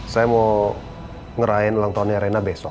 saya mau ngerahin langitannya arena besok